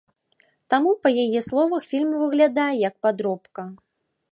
Таму, па яе словах, фільм выглядае як падробка.